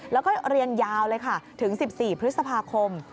แล้วก็เรียนยาวเลยค่ะถึง๑๔พฤษภาคม